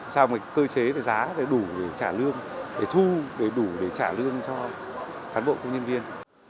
sao mà cơ chế giá đủ để trả lương để thu đủ để trả lương cho cán bộ công nhân viên